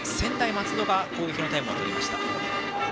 松戸が攻撃のタイムをとりました。